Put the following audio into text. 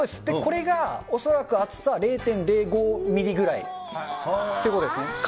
で、これが恐らく、厚さ０．０５ミリぐらいっていうことですね。